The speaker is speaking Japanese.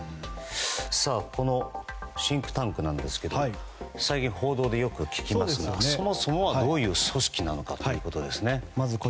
このシンクタンクなんですけど最近、報道でよく聞きますがそもそもはどういう組織なのかですね。